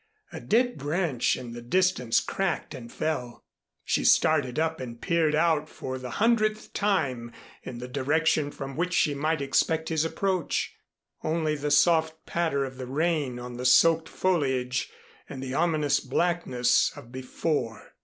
A dead branch in the distance cracked and fell. She started up and peered out for the hundredth time in the direction from which she might expect his approach. Only the soft patter of the rain on the soaked foliage and the ominous blackness of before!